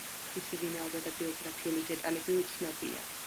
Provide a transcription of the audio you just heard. მისი ვინაობა და ბიოგრაფიული დეტალები უცნობია.